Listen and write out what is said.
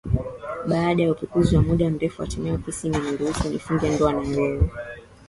baada ya upekuzi wa muda mrefu hatimaye ofisi imeniruhusu nifunge ndoa na wewe